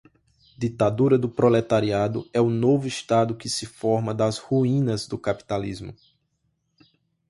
Ditadura do proletariado é o novo estado que se forma das ruínas do capitalismo